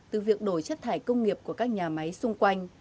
từ việc đổi chất thải công nghiệp của các nhà máy xung quanh